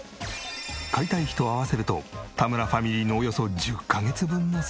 解体費と合わせると田村ファミリーのおよそ１０カ月分の生活費。